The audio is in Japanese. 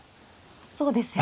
そうですよね。